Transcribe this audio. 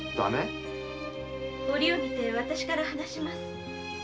折を見て私から話します。